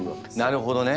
なるほどね。